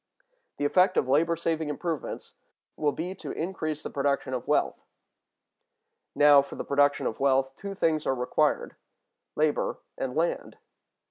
The effect of labor saving improvements will be to increase the production of wealth. Now, for the production of wealth, two things are required, labor and land.